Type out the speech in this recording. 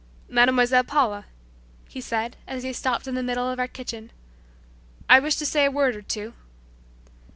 "Mademoiselle Paula," he said as he stopped in the middle of our kitchen, "I wish to say a word or two."